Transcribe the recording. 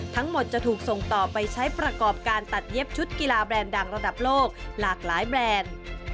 ทั้งหมดจะถูกส่งต่อไปใช้ประกอบการตัดเย็บชุดกีฬาแบรนด์ดังระดับโลกหลากหลายแบรนด์